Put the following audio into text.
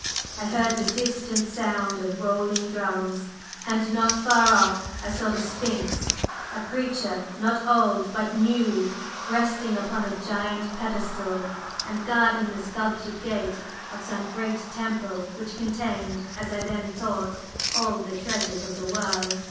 I heard the distant sound of rolling drums, and not far off I saw the Sphinx a creature not old but new resting upon a giant pedestal and guarding the sculptured gate of some great temple which contained, as I then thought, all the treasures of the world.